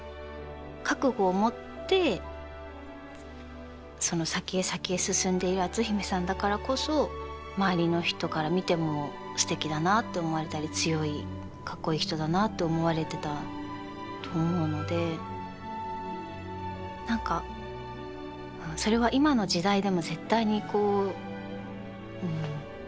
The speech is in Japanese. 覚悟を持ってその先へ先へ進んでいる篤姫さんだからこそ周りの人から見てもすてきだなって思われたり強い格好いい人だなって思われてたと思うので何かそれは今の時代でも絶対にこううん。